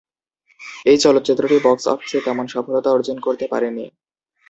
এই চলচ্চিত্রটি বক্স অফিসে তেমন সফলতা অর্জন করতে পারেনি।